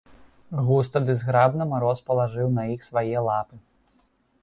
Густа ды зграбна мароз палажыў на іх свае лапы.